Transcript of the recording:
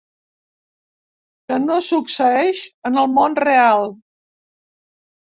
Que no succeeix en el món real.